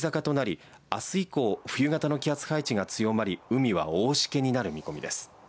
天気はこのあと下り坂となり明日以降冬型の気圧配置が強まり海は大しけになる見込みです。